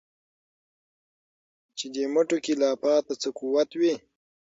چي دي مټو كي لا پاته څه قوت وي